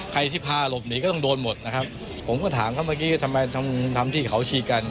ใครที่พาหลบหนีก็ต้องโดนหมดนะครับผมก็ถามเขาเมื่อกี้ว่าทำไมต้องทำที่เขาชีกัน